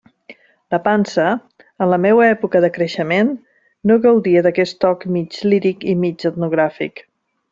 La pansa, en la meua època de creixement, no gaudia d'aquest toc mig líric i mig etnogràfic.